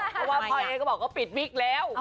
เพราะว่าพ่อเอ๊ก็บอกว่าปิดวิกแล้ว